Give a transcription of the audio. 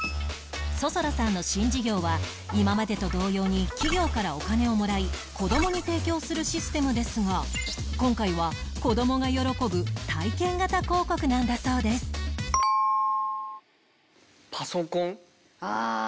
想空さんの新事業は今までと同様に企業からお金をもらい子どもに提供するシステムですが今回は子どもが喜ぶ体験型広告なんだそうですああ！